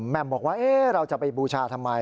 แม่มบอกว่าเราจะไปบูชาทำไม